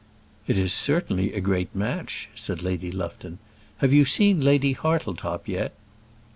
"It is certainly a great match," said Lady Lufton. "Have you seen Lady Hartletop yet?"